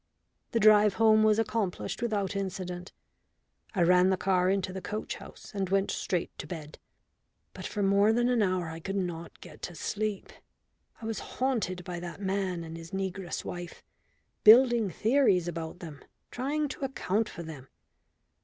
The drive home was accomplished without incident. I ran the car into the coach house and went straight to bed. But for more than an hour I could not get to sleep. I was haunted by that man and his negress wife, building theories about them, trying to account for them.